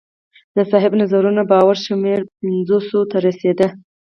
د صاحب نظرانو باور شمېر پنځو سوو ته رسېده